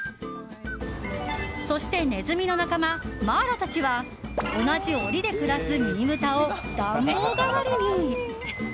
そしてネズミの仲間マーラたちは同じ檻で暮らすミニブタを暖房代わりに。